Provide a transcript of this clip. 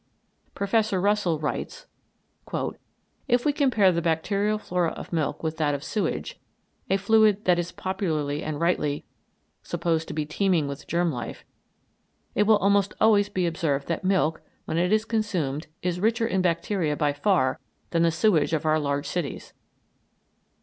Professor Russell writes: "If we compare the bacterial flora of milk with that of sewage, a fluid that is popularly, and rightly, supposed to be teeming with germ life, it will almost always be observed that milk when it is consumed is richer in bacteria by far than the sewage of our large cities.